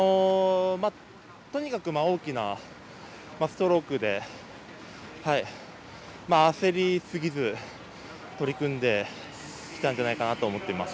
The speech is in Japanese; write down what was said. とにかく大きなストロークで焦りすぎず取り組んできたんじゃないかと思っています。